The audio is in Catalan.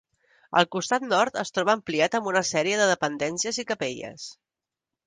El costat nord es troba ampliat amb una sèrie de dependències i capelles.